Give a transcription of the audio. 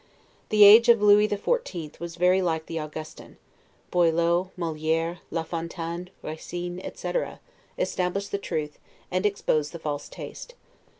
The age of Lewis XIV. was very like the Augustan; Boileau, Moliere, La Fontaine, Racine, etc., established the true, and exposed the false taste.